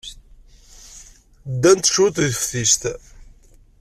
Ddant cwiṭ deg teftist.